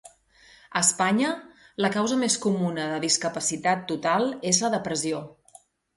A Espanya, la causa més comuna de discapacitat total és la depressió.